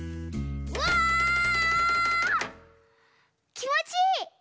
きもちいい！